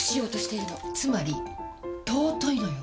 つまり尊いのよ！